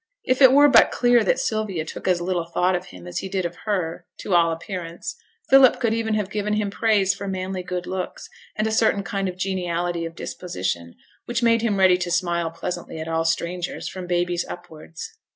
If it were but clear that Sylvia took as little thought of him as he did of her, to all appearance, Philip could even have given him praise for manly good looks, and a certain kind of geniality of disposition which made him ready to smile pleasantly at all strangers, from babies upwards.